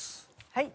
はい。